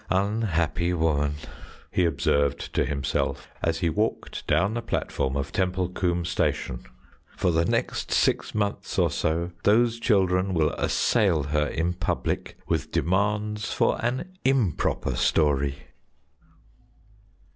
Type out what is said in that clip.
"Unhappy woman!" he observed to himself as he walked down the platform of Templecombe station; "for the next six months or so those children will assail her in public with demands for an improper story!"